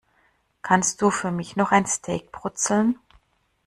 Kannst du für mich noch ein Steak brutzeln?